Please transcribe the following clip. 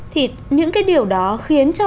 thì những cái điều đó khiến cho